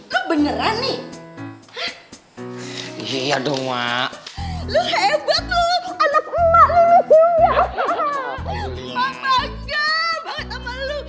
lu beneran nih iya dong mak lu hebat lu anak emak lu